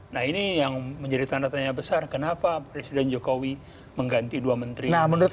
nah ini yang menjadi tanda tanya besar kenapa presiden jokowi mengganti dua menteri